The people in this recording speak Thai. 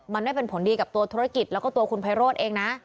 มันไม่เป็นผลดีกับตัวธุรกิจแล้วก็ตัวคุณไพโรธเองนะ